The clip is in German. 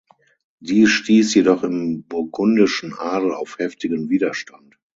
Dies stieß jedoch im burgundischen Adel auf heftigen Widerstand.